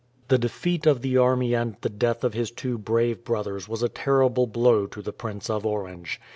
The defeat of the army and the death of his two brave brothers was a terrible blow to the Prince of Orange.